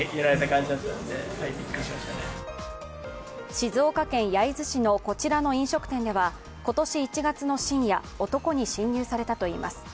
静岡県焼津市のこちらの飲食店では今年１月の深夜男に侵入されたといいます。